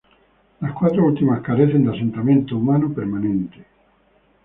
Las cuatro últimas carecen de asentamiento humano permanente.